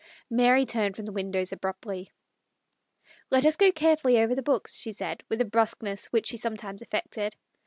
Mary turned from the window abruptly. " Let us go carefully over the books," she said, with a brusqueness which she sometimes affected.